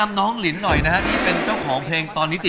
อ้อมแล้วกันค่ะ